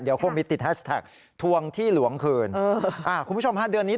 เดี๋ยวคงมีติดแฮชแท็กทวงที่หลวงคืนเอออ่าคุณผู้ชมฮะเดือนนี้